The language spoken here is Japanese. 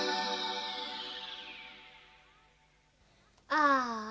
ああ！